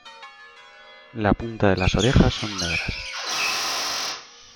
La punta de las orejas son negras.